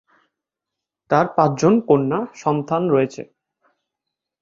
তার পাঁচজন কন্যা সন্তান রয়েছে।